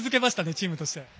チームとして。